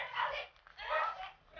gampang itu ya ampun tia